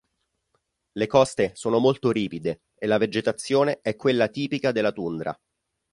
Le coste sono molto ripide e la vegetazione è quella tipica della tundra.